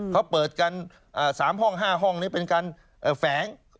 เขาเปิดกัน๓ห้อง๕ห้องนี้เป็นการแฝง